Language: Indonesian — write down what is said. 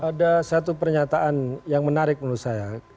ada satu pernyataan yang menarik menurut saya